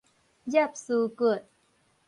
顳斯骨